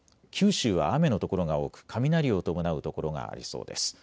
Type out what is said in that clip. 九州は雨の所が多く雷を伴う所がありそうです。